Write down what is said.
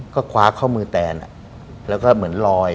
ก็คว้าข้อมือแตนแล้วก็เหมือนลอย